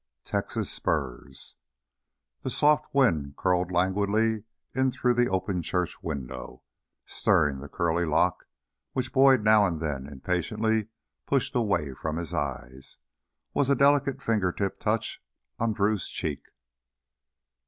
18 Texas Spurs The soft wind curled languidly in through the open church window, stirring the curly lock which Boyd now and then impatiently pushed away from his eyes ... was a delicate fingertip touch on Drew's cheek.